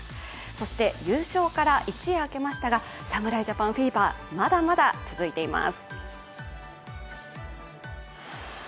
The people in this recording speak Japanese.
そして、優勝から一夜明けましたが侍ジャパンフィーバーまだまだ続いています。